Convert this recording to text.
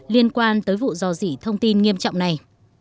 liên quan tới vụ dò dỉ thông tin nghiêm trọng này